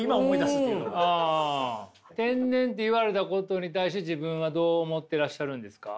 天然って言われたことに対して自分はどう思ってらっしゃるんですか？